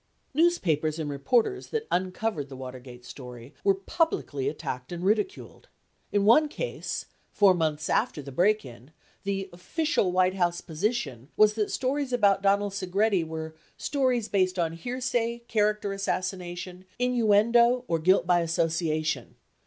71 Newspapers and reporters that uncovered the Watergate story were publicly attacked and ridiculed. In one case, 4 months after the break in, the "official White House position" was that stories about Donald Segretti were "stories based on hearsay, character assassina tion, inneundo or guilt by association."